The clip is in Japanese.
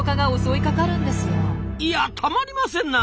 いやたまりませんな。